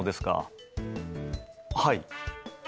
はい。